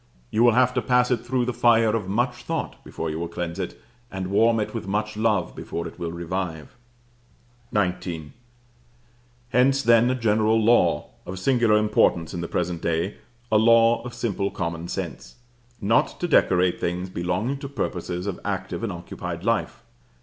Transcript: You will have to pass it through the fire of much thought before you will cleanse it, and warm it with much love before it will revive. XIX. Hence then a general law, of singular importance in the present day, a law of simple common sense, not to decorate things belonging to purposes of active and occupied life.